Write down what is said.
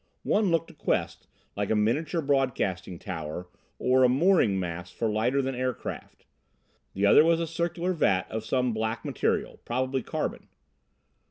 One looked to Quest like a miniature broadcasting tower or a mooring mast for lighter than air craft. The other was a circular vat of some black material, probably carbon.